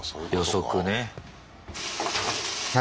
予測ね。